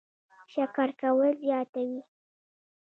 شکر کول څه زیاتوي؟